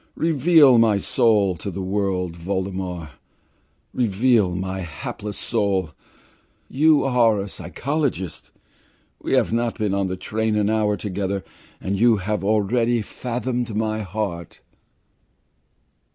Reveal my soul to the world, Voldemar. Reveal that hapless soul. You are a psychologist. We have not been in the train an hour together, and you have already fathomed my heart."